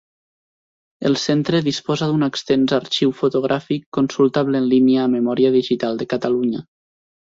El Centre disposa d'un extens arxiu fotogràfic, consultable en línia a Memòria Digital de Catalunya.